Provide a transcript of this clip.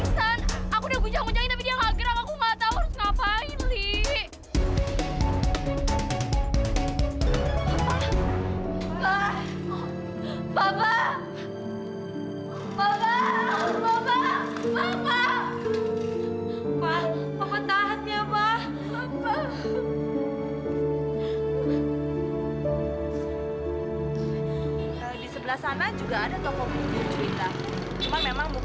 sampai jumpa di video selanjutnya